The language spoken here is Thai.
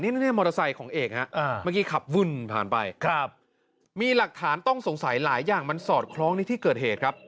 นี่มอเตอร์ไซค์ของเอกฮะเมื่อกี้ขับวุ่นผ่านไปครับมีหลักฐานต้องสงสัยหลายอย่างมันสอดคล้องในที่เกิดเหตุครับ